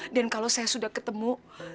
dan kalau saya sudah ketemu